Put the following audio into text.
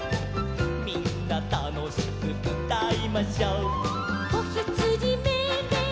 「みんなたのしくうたいましょ」「こひつじメエメエ